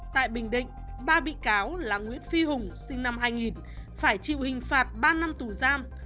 tại bình định ba bị cáo là nguyễn phi hùng sinh năm hai nghìn phải chịu hình phạt ba năm tù giam